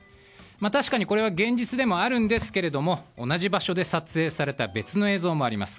確かにこれは現実でもあるんですけど同じ場所で撮影された別の映像もあります。